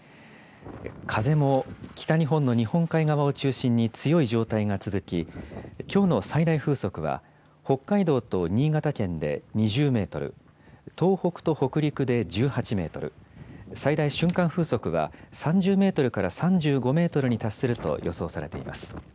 風も北日本の日本海側を中心に強い状態が続き、きょうの最大風速は北海道と新潟県で２０メートル、東北と北陸で１８メートル、最大瞬間風速は３０メートルから３５メートルに達すると予想されています。